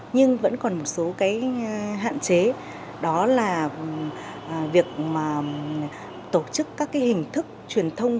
nhưng vẫn còn một số cái hạn chế đó là việc tổ chức các cái hình thức truyền thông